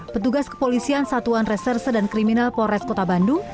petugas kepolisian satuan reserse dan kriminal polres kota bandung